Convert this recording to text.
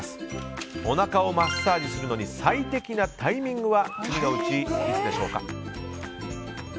おなかをマッサージするのに最適なタイミングは次のうち、いつでしょうか。